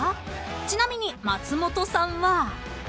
［ちなみに松本さんは］